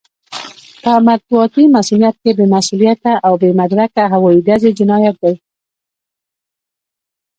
په مطبوعاتي مصؤنيت کې بې مسووليته او بې مدرکه هوايي ډزې جنايت دی.